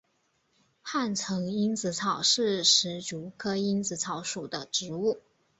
汉城蝇子草是石竹科蝇子草属的植物。